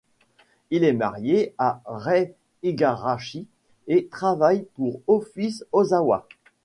Il est marié à Rei Igarashi et travaille pour Office Osawa.